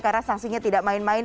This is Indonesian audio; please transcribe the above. karena sanksinya tidak main main